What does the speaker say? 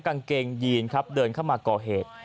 กางเกงยีนครับเดินเข้ามาก่อเหตุ